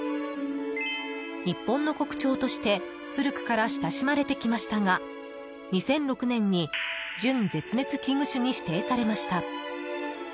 日本の国蝶として古くから親しまれてきましたが２００６年に準絶滅危惧種に指定されました。